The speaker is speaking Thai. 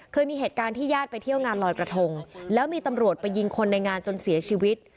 เคยมีเหตุการณ์ที่ญาติไปเที่ยวงานลอยกระทงแล้วมีตำรวจไปยิงคนในงานจนเสียชีวิต